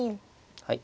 はい。